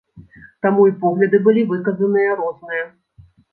Таму і погляды былі выказаныя розныя.